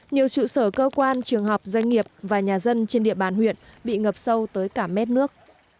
nhiều trụ sở cơ quan trường học doanh nghiệp và nhà dân trên địa bàn huyện bị ngập sâu tới cả mét nước